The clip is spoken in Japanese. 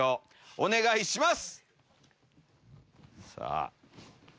お願いします。